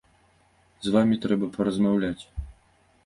З вамі трэба паразмаўляць.